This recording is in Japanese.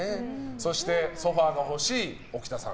そして、ソファが欲しい置田さん。